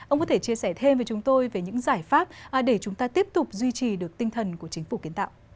ông có thể chia sẻ thêm với chúng tôi về những giải pháp để chúng ta tiếp tục duy trì được tinh thần của chính phủ kiến tạo